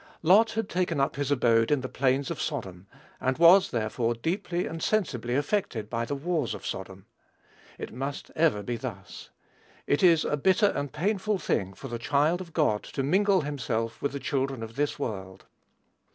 Lot had taken up his abode in the plains of Sodom, and was, therefore, deeply and sensibly affected by the wars of Sodom. It must ever be thus. It is a bitter and a painful thing for the child of God to mingle himself with the children of this world.